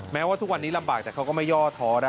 แม้ว่าทุกวันนี้ลำบากแต่เขาก็ไม่ย่อท้อนะ